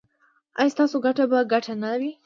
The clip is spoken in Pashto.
ایا ستاسو ګټه به ګډه نه وي؟